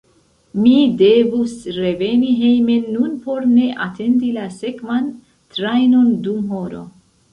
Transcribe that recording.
Mi devus reveni hejmen nun por ne atendi la sekvan trajnon dum horo.